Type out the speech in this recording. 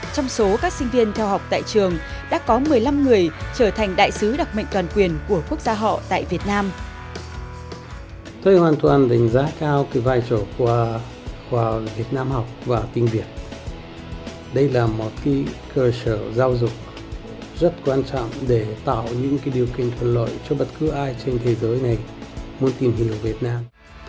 trong số các sinh viên theo học tại trường đã có một mươi năm người trở thành đại sứ đặc mệnh toàn quyền của quốc gia họ tại việt nam